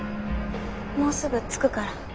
もうすぐ着くから。